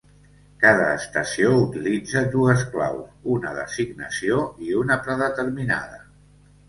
Cada estació utilitza dues claus: una d'assignació i una predeterminada.